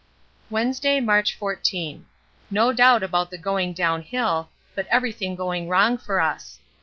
Wednesday, March 14. No doubt about the going downhill, but everything going wrong for us.